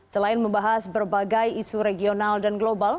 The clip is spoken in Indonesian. selain membahas berbagai isu regional dan global